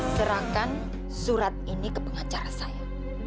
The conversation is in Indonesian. serahkan surat ini ke pengacara saya